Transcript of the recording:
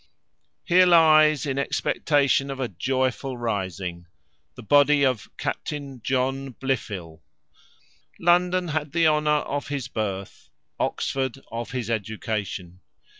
HERE LIES, IN EXPECTATION OF A JOYFUL RISING, THE BODY OF CAPTAIN JOHN BLIFIL. LONDON HAD THE HONOUR OF HIS BIRTH, OXFORD OF HIS EDUCATION.